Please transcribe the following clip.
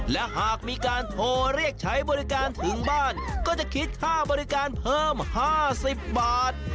และหากมีการโทรเรียกใช้บริการถึงบ้านก็จะคิดค่าบริการเพิ่ม๕๐บาท